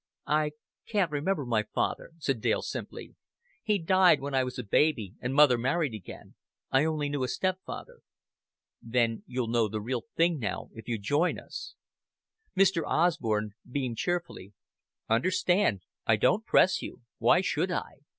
"I can't remember my father," said Dale simply. "He died when I was a baby, and mother married again. I only knew a stepfather." "Then you'll know the real thing now, if you join us." Mr. Osborn beamed cheerfully. "Understand, I don't press you. Why should I?